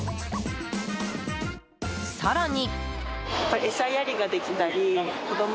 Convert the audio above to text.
更に。